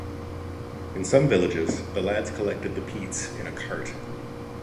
In some villages the lads collected the peats in a cart.